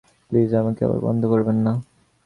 Please আমাকে আবার বন্ধ করবেন না।